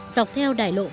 dọc theo đài lộ puchayaya